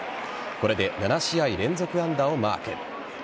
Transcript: これで７試合連続安打をマーク。